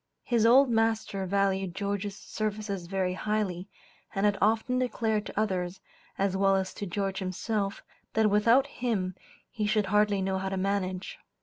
His old master valued George's services very highly, and had often declared to others, as well as to George himself, that without him he should hardly know how to manage.